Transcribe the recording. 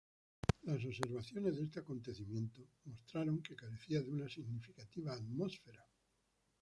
Las observaciones de este acontecimiento mostraron que carecía de una significativa atmósfera.